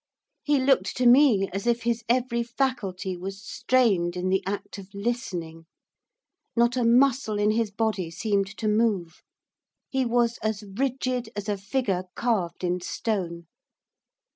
He looked to me as if his every faculty was strained in the act of listening, not a muscle in his body seemed to move; he was as rigid as a figure carved in stone.